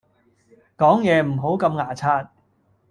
講嘢唔好咁牙擦